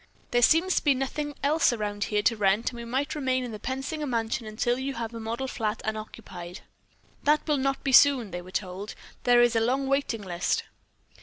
There seems to be nothing else around here to rent and we might remain in the Pensinger mansion until you have a model flat unoccupied." "That will not be soon," they were told, "as there is a long waiting list."